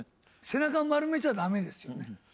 背中を丸めちゃダメですよね